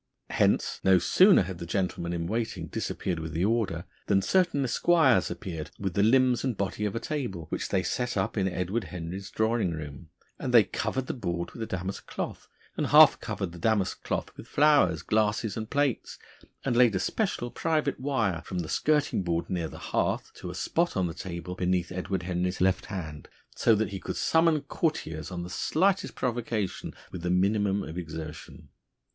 Hence, no sooner had the gentleman in waiting disappeared with the order, than certain esquires appeared with the limbs and body of a table which they set up in Edward Henry's drawing room; and they covered the board with a damask cloth and half covered the damask cloth with flowers, glasses, and plates, and laid a special private wire from the skirting board near the hearth to a spot on the table beneath Edward Henry's left hand, so that he could summon courtiers on the slightest provocation with the minimum of exertion.